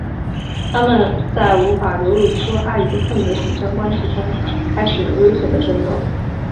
他们在无法流露出爱与恨的紧张关系中开始危险的争斗。